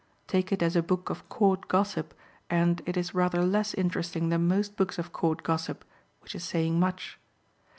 Take it as a book of Court gossip, and it is rather less interesting than most books of Court gossip, which is saying much.